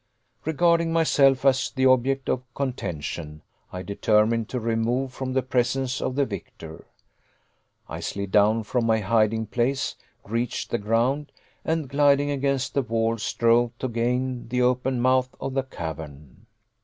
Regarding myself as the object of contention, I determined to remove from the presence of the victor. I slid down from my hiding place, reached the ground, and gliding against the wall, strove to gain the open mouth of the cavern.